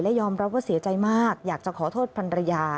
ยอมรับว่าเสียใจมากอยากจะขอโทษพันรยา